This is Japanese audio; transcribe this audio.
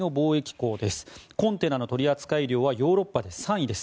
コンテナの取扱量はヨーロッパで３位です。